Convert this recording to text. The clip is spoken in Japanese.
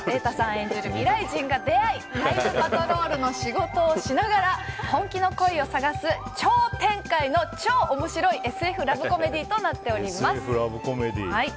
演じる未来人が出会いタイムパトロールの仕事をしながら本気の恋を探す超展開の超面白いＳＦラブコメディーとなっています。